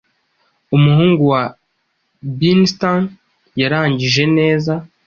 Umuhungu wa Beanstan yarangije neza